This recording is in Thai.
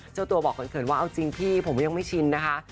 เจ้าตัวบอกเขินว่าเอาจริงพี่ผมยังไม่ชินนะคะ